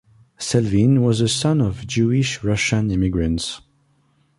Selvin was the son of Jewish Russian immigrants.